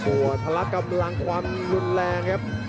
ส่วนธรรมกำลังความรุนแรงครับ